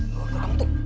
luar biasa tuh